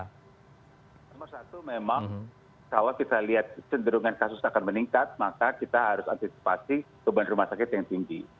nomor satu memang kalau kita lihat cenderungan kasus akan meningkat maka kita harus antisipasi beban rumah sakit yang tinggi